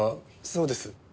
そうです。